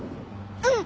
うん！